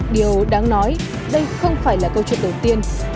điều đáng nói đây không phải là câu chuyện đầu tiên